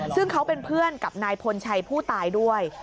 ซึ่งเขาเป็นเพื่อนกับนายพลชัยผู้ตายด้วย